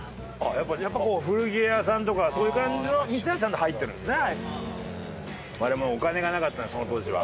やっぱ古着屋さんとかそういう感じの店はちゃんと入ってるんですね。